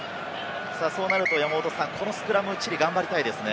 そうなるとこのスクラム、チリは頑張りたいですね。